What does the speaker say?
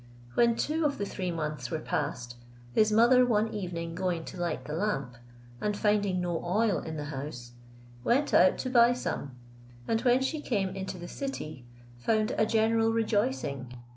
When two of the three months were past, his mother one evening going to light the lamp, and finding no oil in the house, went out to buy some, and when she came into the city, found a general rejoicing.